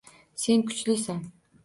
Sen kuchlisan!